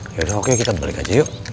yaudah oke kita balik aja yuk